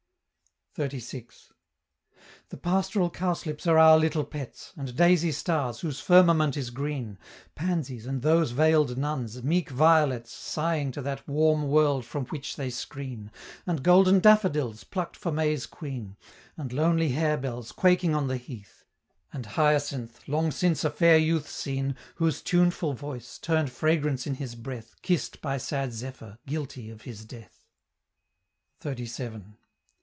XXXVI. "The pastoral cowslips are our little pets, And daisy stars, whose firmament is green; Pansies, and those veil'd nuns, meek violets, Sighing to that warm world from which they screen; And golden daffodils, pluck'd for May's Queen; And lonely harebells, quaking on the heath; And Hyacinth, long since a fair youth seen, Whose tuneful voice, turn'd fragrance in his breath, Kiss'd by sad Zephyr, guilty of his death." XXXVII.